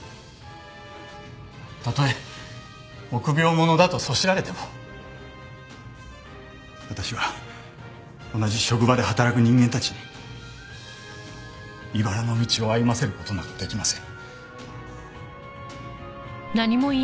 たとえ臆病者だとそしられても私は同じ職場で働く人間たちにいばらの道を歩ませる事など出来ません。